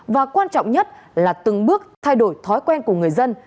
và quan trọng nhất là từng bước thay đổi thói quen của người dân